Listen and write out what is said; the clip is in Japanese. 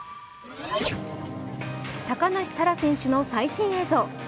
高梨沙羅選手の最新映像。